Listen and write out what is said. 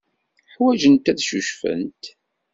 Ḥwajent ad ccucfent.